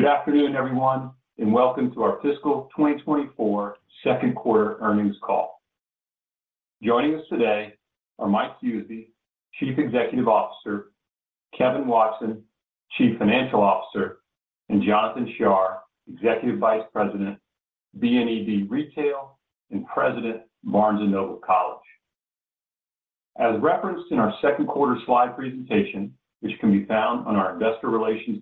Good afternoon, everyone, and welcome to our Fiscal 2024 Second Quarter Earnings Call. Joining us today are Mike Huseby, Chief Executive Officer, Kevin Watson, Chief Financial Officer, and Jonathan Shar, Executive Vice President, BNED Retail and President, Barnes & Noble College. As referenced in our second quarter slide presentation, which can be found on our investor relations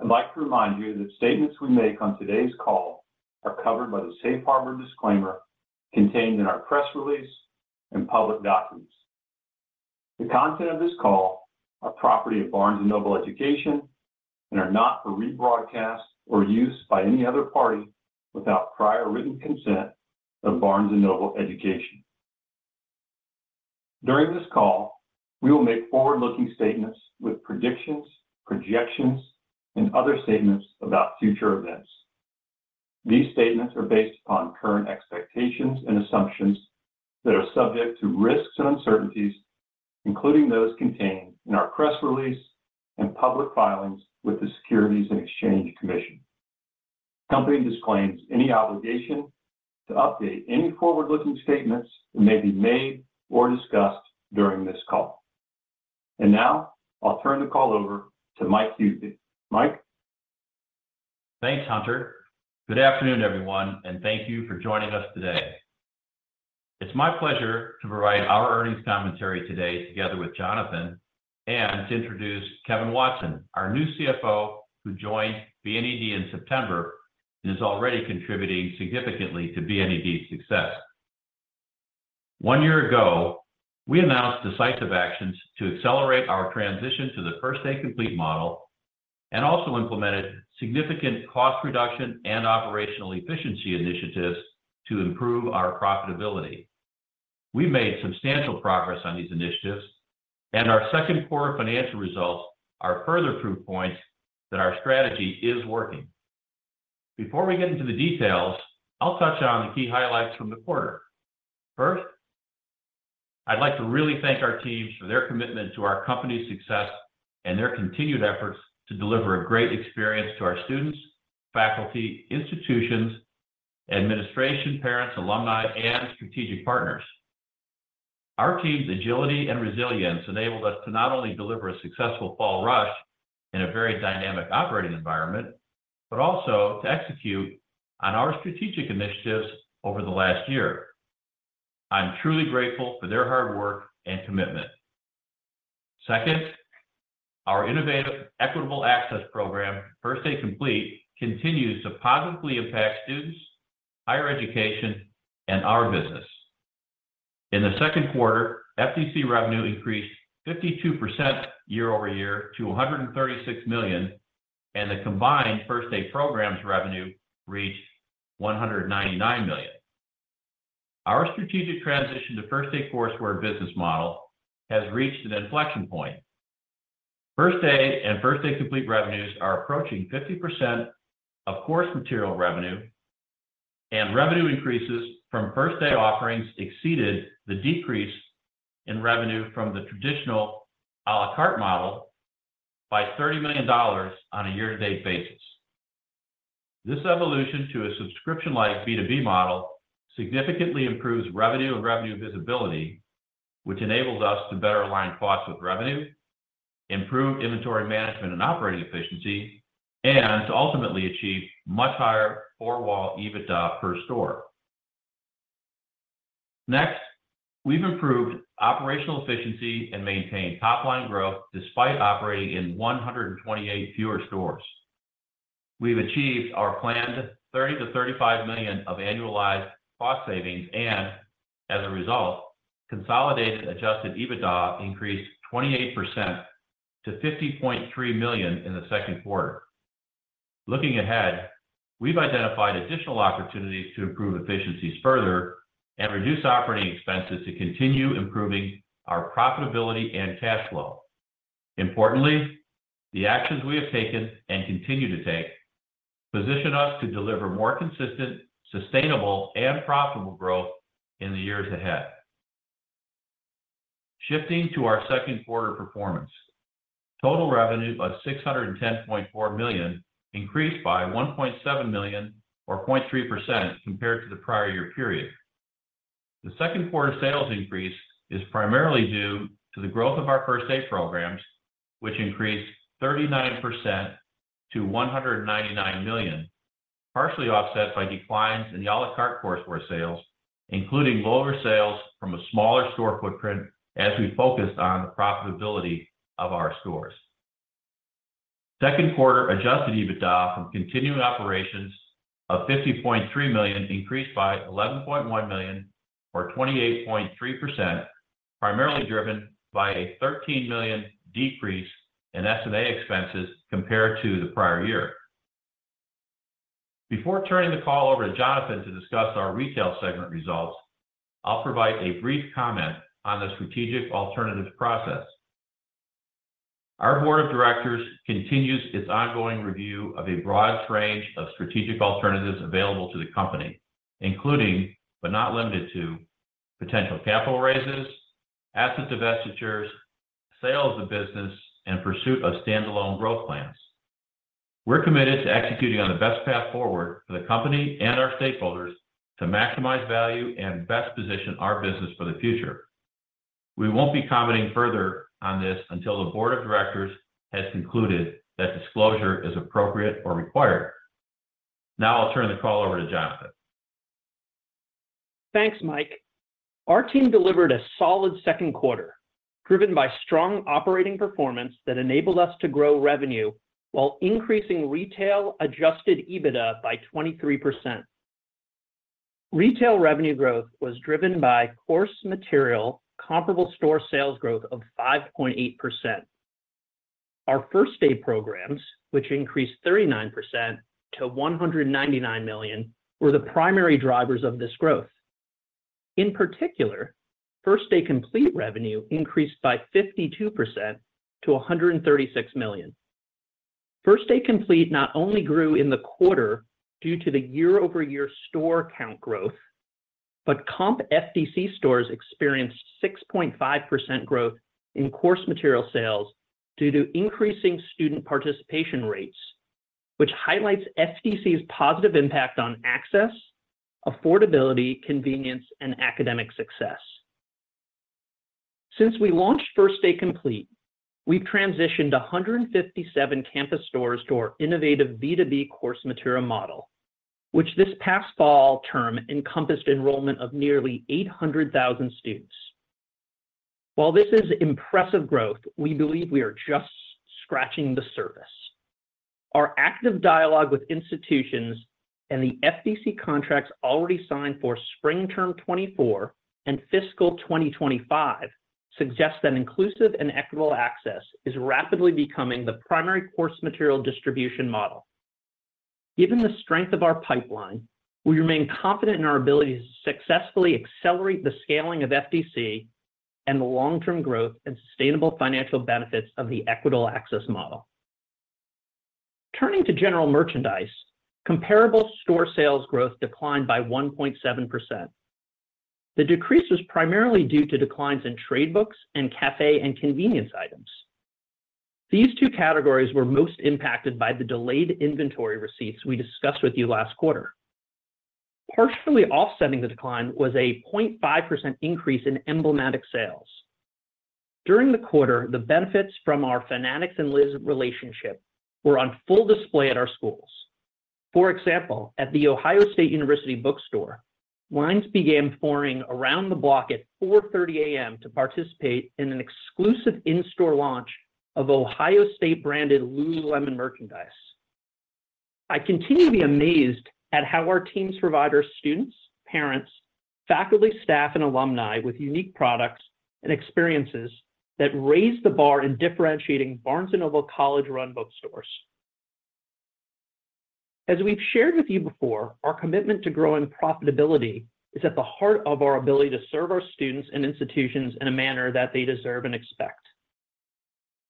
website, I'd like to remind you that statements we make on today's call are covered by the safe harbor disclaimer contained in our press release and public documents. The content of this call are property of Barnes & Noble Education and are not for rebroadcast or use by any other party without prior written consent of Barnes & Noble Education. During this call, we will make forward-looking statements with predictions, projections, and other statements about future events. These statements are based upon current expectations and assumptions that are subject to risks and uncertainties, including those contained in our press release and public filings with the Securities and Exchange Commission. The company disclaims any obligation to update any forward-looking statements that may be made or discussed during this call. And now I'll turn the call over to Mike Huseby. Mike? Thanks, Hunter. Good afternoon, everyone, and thank you for joining us today. It's my pleasure to provide our earnings commentary today, together with Jonathan, and to introduce Kevin Watson, our new CFO, who joined BNED in September and is already contributing significantly to BNED's success. One year ago, we announced decisive actions to accelerate our transition to the First Day Complete model and also implemented significant cost reduction and operational efficiency initiatives to improve our profitability. We made substantial progress on these initiatives, and our second quarter financial results are further proof points that our strategy is working. Before we get into the details, I'll touch on the key highlights from the quarter. First, I'd like to really thank our teams for their commitment to our company's success and their continued efforts to deliver a great experience to our students, faculty, institutions, administration, parents, alumni, and strategic partners. Our team's agility and resilience enabled us to not only deliver a successful fall rush in a very dynamic operating environment, but also to execute on our strategic initiatives over the last year. I'm truly grateful for their hard work and commitment. Second, our innovative equitable access program, First Day Complete, continues to positively impact students, higher education, and our business. In the second quarter, FTC revenue increased 52% year-over-year to $136 million, and the combined First Day programs revenue reached $199 million. Our strategic transition to First Day courseware business model has reached an inflection point. First Day and First Day Complete revenues are approaching 50% of course material revenue, and revenue increases from First Day offerings exceeded the decrease in revenue from the traditional à la carte model by $30 million on a year-to-date basis. This evolution to a subscription-like B2B model significantly improves revenue and revenue visibility, which enables us to better align costs with revenue, improve inventory management and operating efficiency, and to ultimately achieve much higher four-wall EBITDA per store. Next, we've improved operational efficiency and maintained top-line growth despite operating in 128 fewer stores. We've achieved our planned $30 million-$35 million of annualized cost savings, and as a result, consolidated Adjusted EBITDA increased 28% to $50.3 million in the second quarter. Looking ahead, we've identified additional opportunities to improve efficiencies further and reduce operating expenses to continue improving our profitability and cash flow. Importantly, the actions we have taken and continue to take position us to deliver more consistent, sustainable, and profitable growth in the years ahead. Shifting to our second quarter performance, total revenue of $610.4 million increased by $1.7 million or 0.3% compared to the prior year period. The second quarter sales increase is primarily due to the growth of our First Day programs, which increased 39% to $199 million, partially offset by declines in the à la carte courseware sales, including lower sales from a smaller store footprint as we focused on the profitability of our stores. Second quarter Adjusted EBITDA from continuing operations of $50.3 million increased by $11.1 million, or 28.3%, primarily driven by a $13 million decrease in S&A expenses compared to the prior year. Before turning the call over to Jonathan to discuss our retail segment results, I'll provide a brief comment on the strategic alternatives process. Our board of directors continues its ongoing review of a broad range of strategic alternatives available to the company, including but not limited to potential capital raises.... asset divestitures, sales of business, and pursuit of standalone growth plans. We're committed to executing on the best path forward for the company and our stakeholders to maximize value and best position our business for the future. We won't be commenting further on this until the board of directors has concluded that disclosure is appropriate or required. Now I'll turn the call over to Jonathan. Thanks, Mike. Our team delivered a solid second quarter, driven by strong operating performance that enabled us to grow revenue while increasing retail Adjusted EBITDA by 23%. Retail revenue growth was driven by course material, comparable store sales growth of 5.8%. Our First Day programs, which increased 39% to $199 million, were the primary drivers of this growth. In particular, First Day Complete revenue increased by 52% to $136 million. First Day Complete not only grew in the quarter due to the year-over-year store count growth, but comp FDC stores experienced 6.5% growth in course material sales due to increasing student participation rates, which highlights FDC's positive impact on access, affordability, convenience, and academic success. Since we launched First Day Complete, we've transitioned 157 campus stores to our innovative B2B course material model, which this past fall term encompassed enrollment of nearly 800,000 students. While this is impressive growth, we believe we are just scratching the surface. Our active dialogue with institutions and the FDC contracts already signed for spring term 2024 and fiscal 2025 suggests that inclusive and equitable access is rapidly becoming the primary course material distribution model. Given the strength of our pipeline, we remain confident in our ability to successfully accelerate the scaling of FDC and the long-term growth and sustainable financial benefits of the equitable access model. Turning to general merchandise, comparable store sales growth declined by 1.7%. The decrease was primarily due to declines in trade books and café and convenience items. These two categories were most impacted by the delayed inventory receipts we discussed with you last quarter. Partially offsetting the decline was a 0.5% increase in emblematic sales. During the quarter, the benefits from our Fanatics and Lululemon relationship were on full display at our schools. For example, at the Ohio State University bookstore, lines began forming around the block at 4:30 A.M. to participate in an exclusive in-store launch of Ohio State-branded Lululemon merchandise. I continue to be amazed at how our teams provide our students, parents, faculty, staff, and alumni with unique products and experiences that raise the bar in differentiating Barnes & Noble College-run bookstores. As we've shared with you before, our commitment to growing profitability is at the heart of our ability to serve our students and institutions in a manner that they deserve and expect.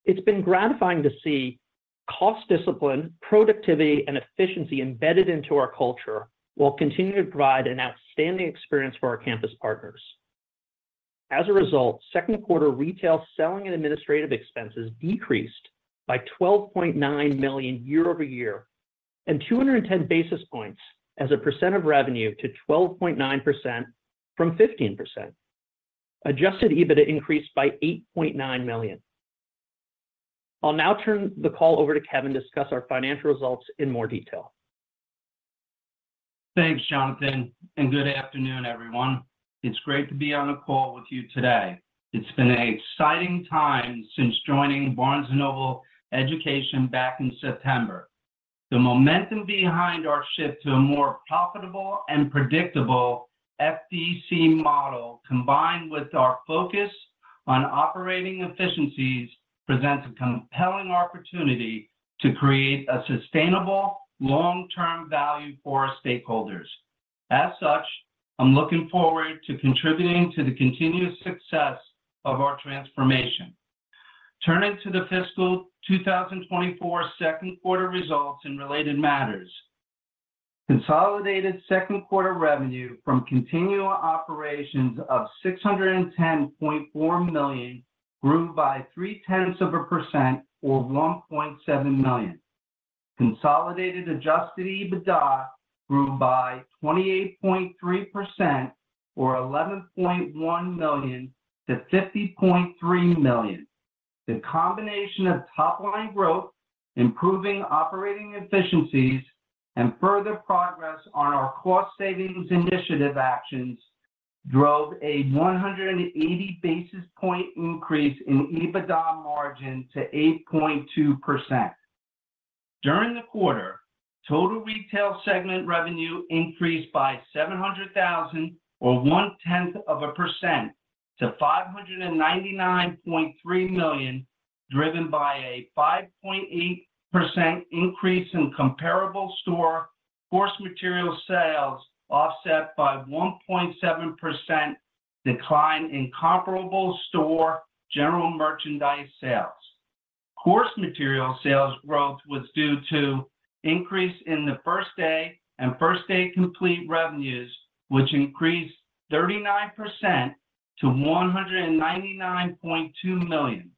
It's been gratifying to see cost discipline, productivity, and efficiency embedded into our culture, while continuing to provide an outstanding experience for our campus partners. As a result, second quarter retail selling and administrative expenses decreased by $12.9 million year-over-year, and 210 basis points as a percent of revenue to 12.9% from 15%. Adjusted EBITDA increased by $8.9 million. I'll now turn the call over to Kevin to discuss our financial results in more detail. Thanks, Jonathan, and good afternoon, everyone. It's great to be on a call with you today. It's been an exciting time since joining Barnes & Noble Education back in September. The momentum behind our shift to a more profitable and predictable FDC model, combined with our focus on operating efficiencies, presents a compelling opportunity to create a sustainable, long-term value for our stakeholders. As such, I'm looking forward to contributing to the continuous success of our transformation. Turning to the fiscal 2024 second quarter results and related matters. Consolidated second quarter revenue from continuing operations of $610.4 million grew by 0.3% or $1.7 million. Consolidated Adjusted EBITDA grew by 28.3% or $11.1 million-$50.3 million. The combination of top-line growth, improving operating efficiencies, and further progress on our cost savings initiative actions drove a 180 basis point increase in EBITDA margin to 8.2%. During the quarter, total retail segment revenue increased by $700,000 or 0.1% to $599.3 million, driven by a 5.8% increase in comparable store course material sales, offset by 1.7% decline in comparable store general merchandise sales. Course material sales growth was due to increase in the First Day and First Day Complete revenues, which increased 39% to $199.2 million.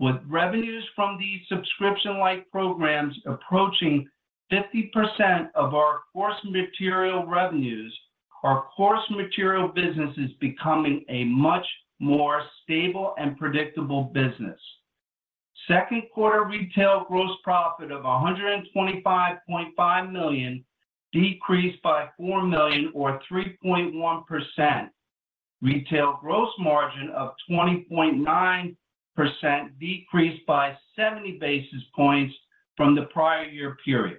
With revenues from these subscription-like programs approaching 50% of our course material revenues, our course material business is becoming a much more stable and predictable business. Second quarter retail gross profit of $125.5 million, decreased by $4 million or 3.1%. Retail gross margin of 20.9% decreased by 70 basis points from the prior year period.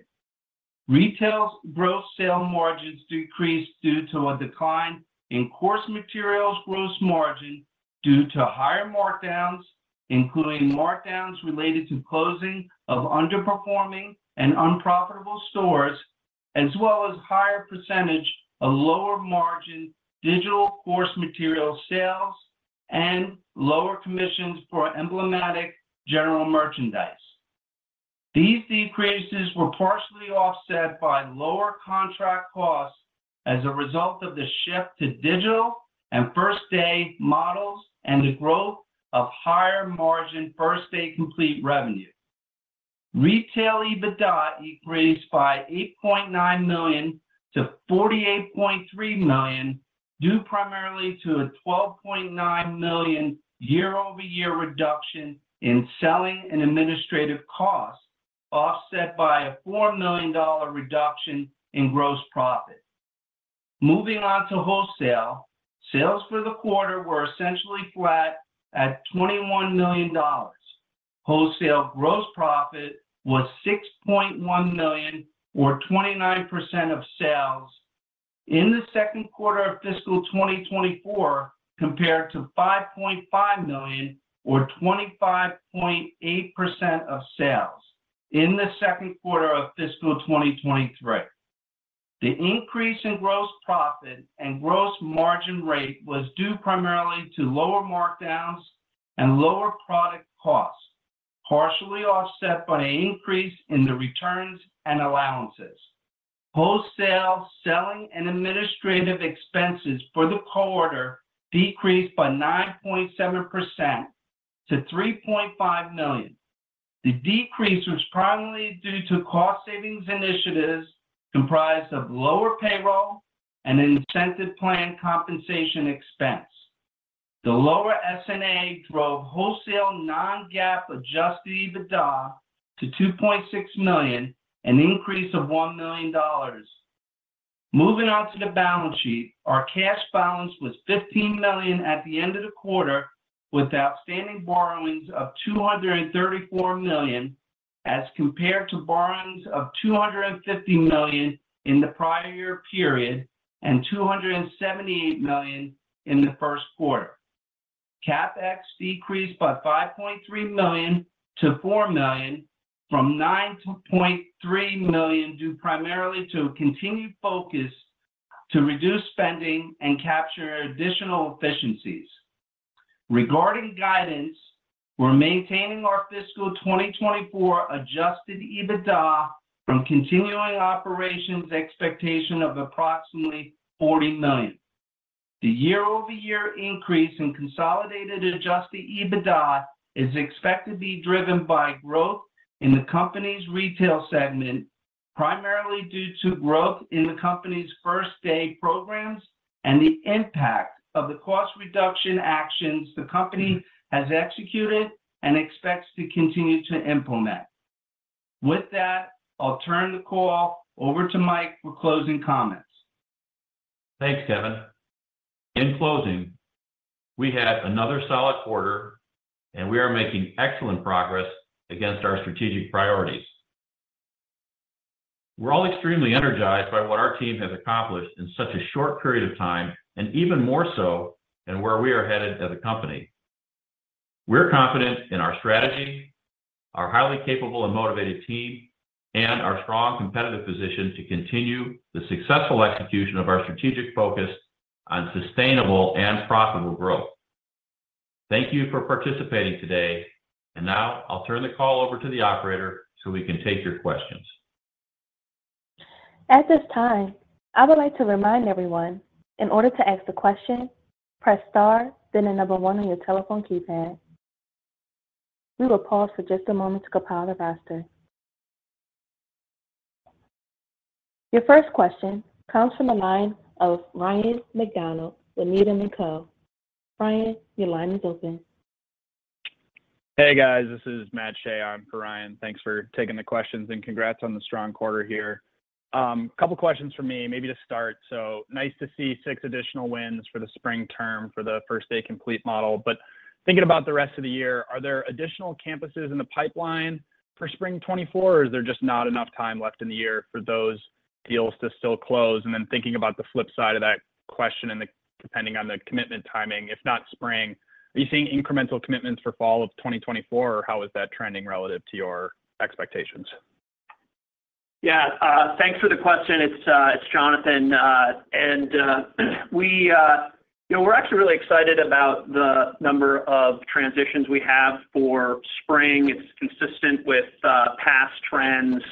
Retail gross sales margins decreased due to a decline in course materials gross margin due to higher markdowns, including markdowns related to closing of underperforming and unprofitable stores, as well as higher percentage of lower margin digital course material sales and lower commissions for emblematic general merchandise. These decreases were partially offset by lower contract costs as a result of the shift to digital and First Day models and the growth of higher margin First Day Complete revenue. Retail EBITDA increased by $8.9 million-$48.3 million, due primarily to a $12.9 million year-over-year reduction in selling and administrative costs, offset by a $4 million reduction in gross profit. Moving on to wholesale. Sales for the quarter were essentially flat at $21 million. Wholesale gross profit was $6.1 million, or 29% of sales in the second quarter of fiscal 2024, compared to $5.5 million or 25.8% of sales in the second quarter of fiscal 2023. The increase in gross profit and gross margin rate was due primarily to lower markdowns and lower product costs, partially offset by an increase in the returns and allowances. Wholesale selling and administrative expenses for the quarter decreased by 9.7% to $3.5 million. The decrease was primarily due to cost savings initiatives comprised of lower payroll and incentive plan compensation expense. The lower SG&A drove wholesale non-GAAP adjusted EBITDA to $2.6 million, an increase of $1 million. Moving on to the balance sheet. Our cash balance was $15 million at the end of the quarter, with outstanding borrowings of $234 million, as compared to borrowings of $250 million in the prior year period, and $278 million in the first quarter. CapEx decreased by $5.3 million-$4 million from $9.3 million, due primarily to a continued focus to reduce spending and capture additional efficiencies. Regarding guidance, we're maintaining our fiscal 2024 adjusted EBITDA from continuing operations expectation of approximately $40 million. The year-over-year increase in consolidated Adjusted EBITDA is expected to be driven by growth in the company's retail segment, primarily due to growth in the company's First Day programs and the impact of the cost reduction actions the company has executed and expects to continue to implement. With that, I'll turn the call over to Mike for closing comments. Thanks, Kevin. In closing, we had another solid quarter, and we are making excellent progress against our strategic priorities. We're all extremely energized by what our team has accomplished in such a short period of time, and even more so in where we are headed as a company. We're confident in our strategy, our highly capable and motivated team, and our strong competitive position to continue the successful execution of our strategic focus on sustainable and profitable growth. Thank you for participating today, and now I'll turn the call over to the operator so we can take your questions. At this time, I would like to remind everyone, in order to ask a question, press star, then the number one on your telephone keypad. We will pause for just a moment to compile the roster. Your first question comes from the line of Ryan MacDonald with Needham & Company. Ryan, your line is open. Hey, guys, this is Matt Shea on for Ryan. Thanks for taking the questions and congrats on the strong quarter here. A couple questions from me, maybe to start. So nice to see six additional wins for the spring term for the First Day Complete model. But thinking about the rest of the year, are there additional campuses in the pipeline for spring 2024, or is there just not enough time left in the year for those deals to still close? And then thinking about the flip side of that question depending on the commitment timing, if not spring, are you seeing incremental commitments for fall of 2024, or how is that trending relative to your expectations? Yeah, thanks for the question. It's Jonathan. And, you know, we're actually really excited about the number of transitions we have for spring. It's consistent with past trends,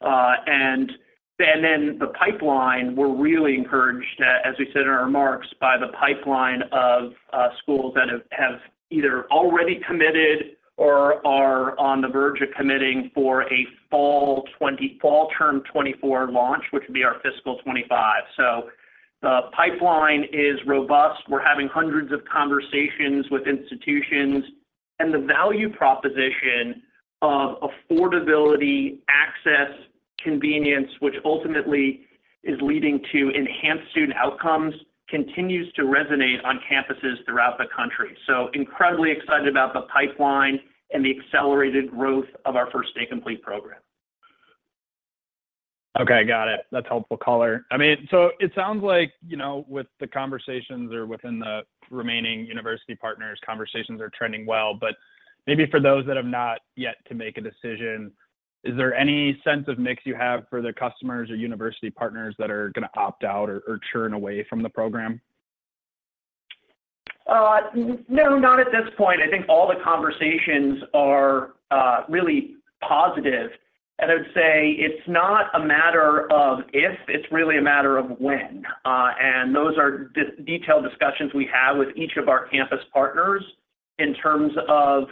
and then the pipeline, we're really encouraged, as we said in our remarks, by the pipeline of schools that have either already committed or are on the verge of committing for a fall term 2024 launch, which would be our fiscal 2025. So the pipeline is robust. We're having hundreds of conversations with institutions, and the value proposition of affordability, access, convenience, which ultimately is leading to enhanced student outcomes, continues to resonate on campuses throughout the country. So incredibly excited about the pipeline and the accelerated growth of our First Day Complete program. Okay, got it. That's helpful color. I mean, so it sounds like, you know, with the conversations or within the remaining university partners, conversations are trending well. But maybe for those that have not yet to make a decision, is there any sense of mix you have for the customers or university partners that are going to opt out or, or churn away from the program? No, not at this point. I think all the conversations are really positive, and I'd say it's not a matter of if, it's really a matter of when. And those are detailed discussions we have with each of our campus partners in terms of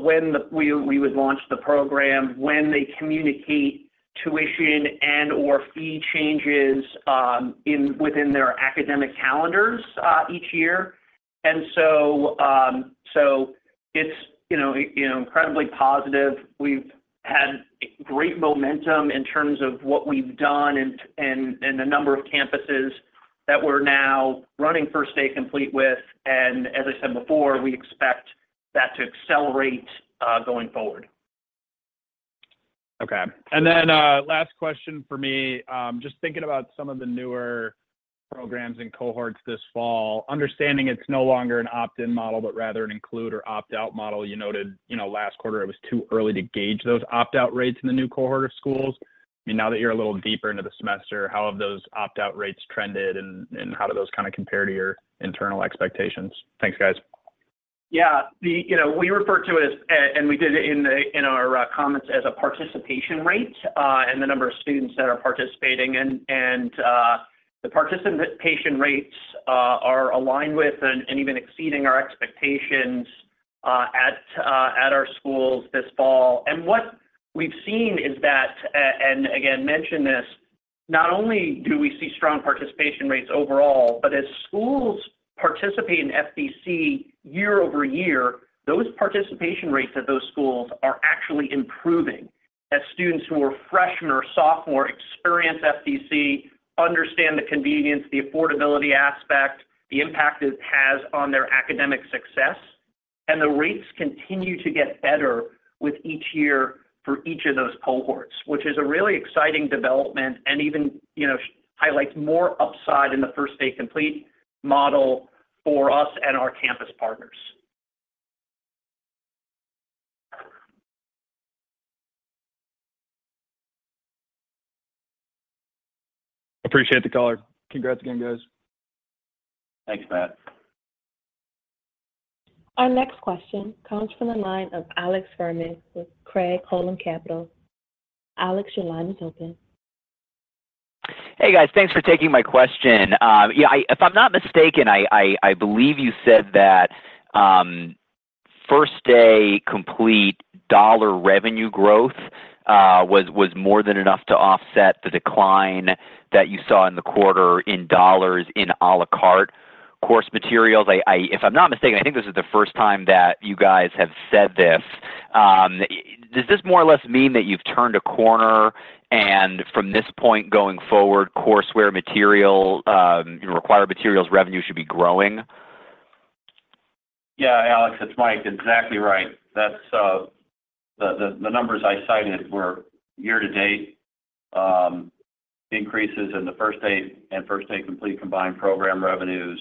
when we would launch the program, when they communicate tuition and/or fee changes within their academic calendars each year. And so it's, you know, you know, incredibly positive. We've had great momentum in terms of what we've done and the number of campuses that we're now running First Day Complete with, and as I said before, we expect that to accelerate going forward. Okay. And then, last question for me. Just thinking about some of the newer programs and cohorts this fall, understanding it's no longer an opt-in model, but rather an include or opt-out model. You noted, you know, last quarter, it was too early to gauge those opt-out rates in the new cohort of schools. I mean, now that you're a little deeper into the semester, how have those opt-out rates trended, and, and how do those kind of compare to your internal expectations? Thanks, guys. Yeah. You know, we refer to it as, and we did it in the, in our comments, as a participation rate, and the number of students that are participating. The participation rates are aligned with and even exceeding our expectations at our schools this fall. What we've seen is that, and again, mentioned this, not only do we see strong participation rates overall, but as schools participate in FDC year-over-year, those participation rates at those schools are actually improving. As students who are freshman or sophomore experience FDC, understand the convenience, the affordability aspect, the impact it has on their academic success, and the rates continue to get better with each year for each of those cohorts, which is a really exciting development and even, you know, highlights more upside in the First Day Complete model for us and our campus partners. Appreciate the color. Congrats again, guys. Thanks, Matt. Our next question comes from the line of Alex Fuhrman with Craig-Hallum Capital Group. Alex, your line is open. Hey, guys. Thanks for taking my question. Yeah, if I'm not mistaken, I believe you said that First Day Complete dollar revenue growth was more than enough to offset the decline that you saw in the quarter in dollars in à la carte course materials. If I'm not mistaken, I think this is the first time that you guys have said this. Does this more or less mean that you've turned a corner, and from this point going forward, course material, your required materials revenue should be growing? Yeah, Alex, it's Mike. Exactly right. That's the numbers I cited were year to date increases in the First Day and First Day Complete combined program revenues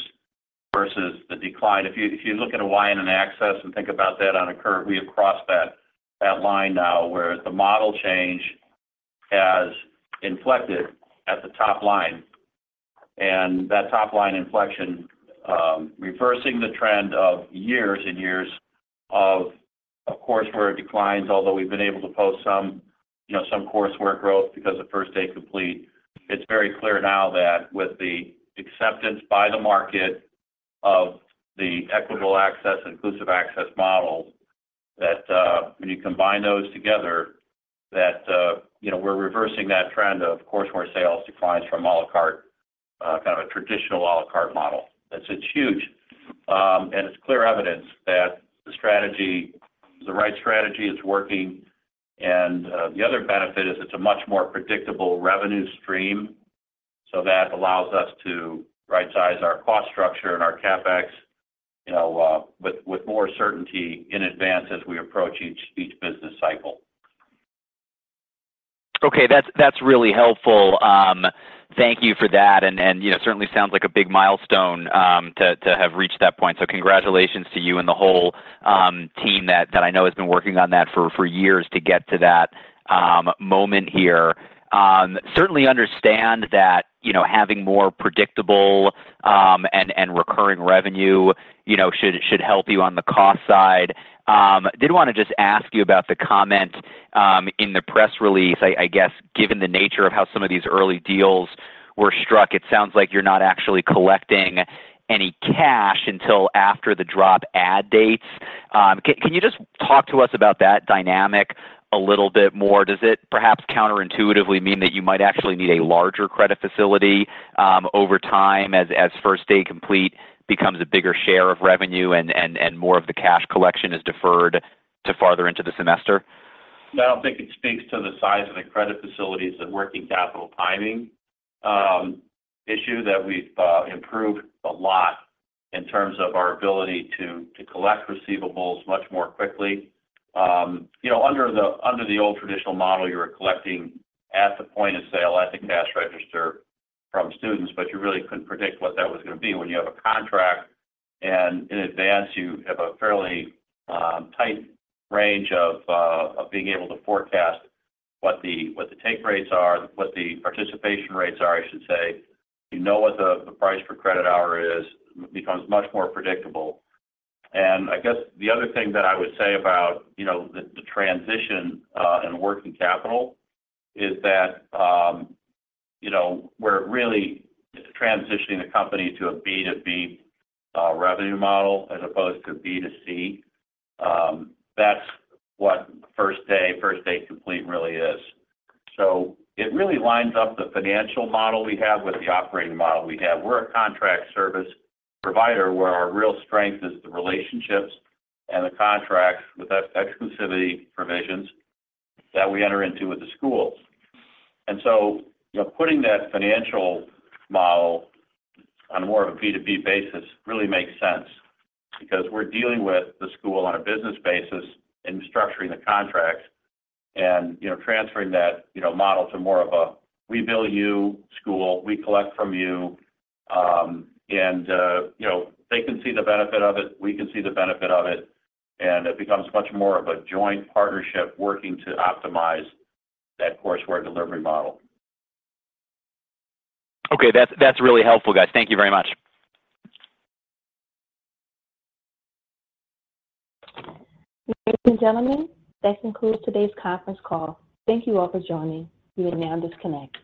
versus the decline. If you look at a YOY in access and think about that on a curve, we have crossed that line now, where the model change has inflected at the top line. And that top line inflection reversing the trend of years and years of courseware declines, although we've been able to post some, you know, some coursework growth because of First Day Complete. It's very clear now that with the acceptance by the market of the equitable access, inclusive access model, that when you combine those together, that you know, we're reversing that trend of courseware sales declines from à la carte kind of a traditional à la carte model. It's huge, and it's clear evidence that the strategy, the right strategy is working, and the other benefit is it's a much more predictable revenue stream, so that allows us to rightsize our cost structure and our CapEx you know with more certainty in advance as we approach each business cycle. Okay, that's really helpful. Thank you for that, and you know, certainly sounds like a big milestone to have reached that point. So congratulations to you and the whole team that I know has been working on that for years to get to that moment here. Certainly understand that, you know, having more predictable and recurring revenue, you know, should help you on the cost side. Did want to just ask you about the comment in the press release. I guess, given the nature of how some of these early deals were struck, it sounds like you're not actually collecting any cash until after the drop/add dates. Can you just talk to us about that dynamic a little bit more? Does it perhaps counterintuitively mean that you might actually need a larger credit facility over time as First Day Complete becomes a bigger share of revenue and more of the cash collection is deferred to farther into the semester? I don't think it speaks to the size of the credit facilities, the working capital timing issue that we've improved a lot in terms of our ability to collect receivables much more quickly. You know, under the old traditional model, you were collecting at the point of sale, at the cash register from students, but you really couldn't predict what that was gonna be. When you have a contract and in advance, you have a fairly tight range of being able to forecast what the take rates are, what the participation rates are, I should say. You know what the price per credit hour is, becomes much more predictable. I guess the other thing that I would say about, you know, the transition and working capital is that, you know, we're really transitioning the company to a B2B revenue model, as opposed to B2C. That's what First Day, First Day Complete really is. So it really lines up the financial model we have with the operating model we have. We're a contract service provider, where our real strength is the relationships and the contracts with exclusivity provisions that we enter into with the schools. And so, you know, putting that financial model on more of a B2B basis really makes sense because we're dealing with the school on a business basis in structuring the contracts and, you know, transferring that, you know, model to more of a, we bill you, school, we collect from you. You know, they can see the benefit of it, we can see the benefit of it, and it becomes much more of a joint partnership working to optimize that coursework delivery model. Okay. That's, that's really helpful, guys. Thank you very much. Ladies and gentlemen, that concludes today's conference call. Thank you all for joining. You are now disconnected.